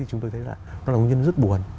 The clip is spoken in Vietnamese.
chúng tôi thấy là nó là nguyên nhân rất buồn